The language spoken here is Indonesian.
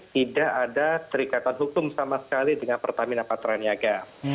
tidak ada terikatan hukum sama sekali dengan pertamina patraniaga